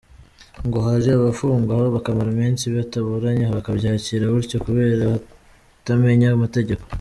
Ngo hari abafungwa bakamara iminsi bataburanye bakabyakira gutyo kubera kutamenya amategeko.